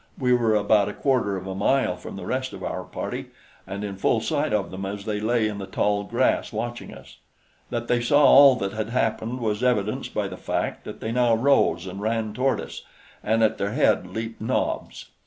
We were about a quarter of a mile from the rest of our party, and in full sight of them as they lay in the tall grass watching us. That they saw all that had happened was evidenced by the fact that they now rose and ran toward us, and at their head leaped Nobs.